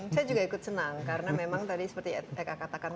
saya juga ikut senang karena memang tadi seperti eka katakan